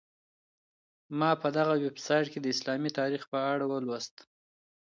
ما په دغه ویبسایټ کي د اسلامي تاریخ په اړه ولوسهمېشه.